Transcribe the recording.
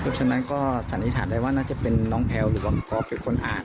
เพราะฉะนั้นก็สันนิษฐานได้ว่าน่าจะเป็นน้องแพลวหรือว่าก๊อฟเป็นคนอ่าน